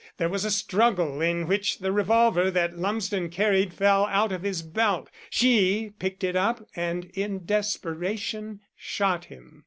There was a struggle in which the revolver that Lumsden carried fell out of his belt. She picked it up and in desperation shot him.